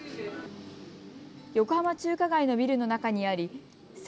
横浜中華街のビルの中にあります。